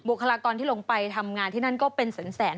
คลากรที่ลงไปทำงานที่นั่นก็เป็นแสน